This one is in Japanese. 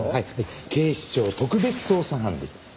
警視庁特別捜査班です。